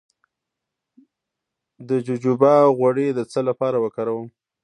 د جوجوبا غوړي د څه لپاره وکاروم؟